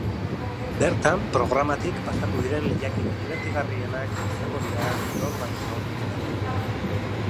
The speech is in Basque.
Bertan, programatik pasatu diren lehiakide dibertigarrienak izango dira nor baino nor gehiago.